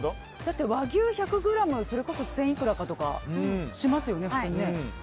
だって、和牛１００ｇそれこそ千いくらかとかしますよね。